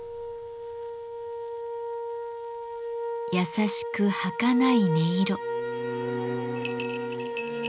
優しくはかない音色。